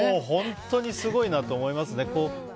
本当にすごいなと思いますね。